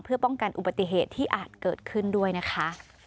เพื่อป้องกันอุบัติเหตุที่อาจเกิดขึ้นด้วยนะคะ